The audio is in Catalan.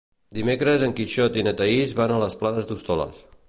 Dimecres en Quixot i na Thaís van a les Planes d'Hostoles.